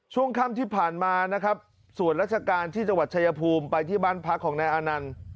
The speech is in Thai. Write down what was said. ช่วงครั้งที่ผ่านมาส่วนรัฐการณ์ที่จวัดชัยภูมิไปที่บ้านพักของนายอาณัล